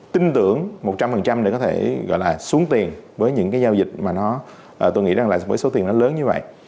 tin tưởng một trăm linh để có thể gọi là xuống tiền với những cái giao dịch mà tôi nghĩ rằng là với số tiền nó lớn như vậy